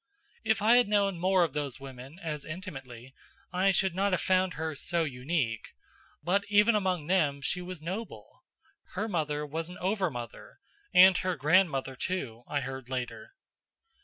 If I had known more of those women, as intimately, I should not have found her so unique; but even among them she was noble. Her mother was an Over Mother and her grandmother, too, I heard later.